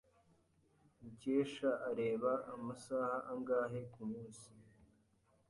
Mukesha areba amasaha angahe kumunsi?